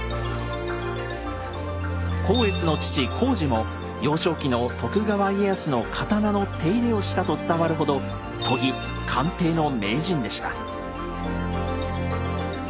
光悦の父光二も幼少期の徳川家康の刀の手入れをしたと伝わるほど研ぎ・鑑定の名人でした。